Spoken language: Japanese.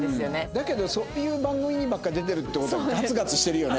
だけどそういう番組にばっかり出てるっていう事はガツガツしてるよね。